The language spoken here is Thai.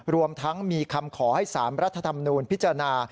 รวมทั้งมีคำขอให้๓รัฐธรรมนูญพิจารณา